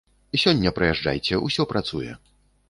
Сёння прыязджайце, усё працуе.